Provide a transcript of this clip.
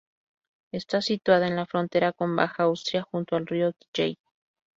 Está situada en la frontera con Baja Austria junto al río Dyje.